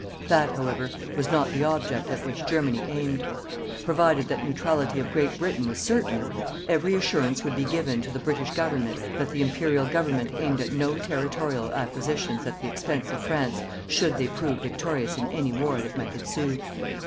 That, however, was not the object at which Germany aimed. Provided that neutrality of Great Britain was certain, every assurance would be given to the British Government that the Imperial Government aimed at no territorial acquisitions at the expense of France should they prove victorious in any war that might ensue.